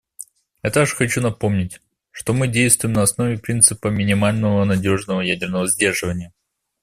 Я также хочу напомнить, что мы действуем на основе принципа минимального надежного ядерного сдерживания.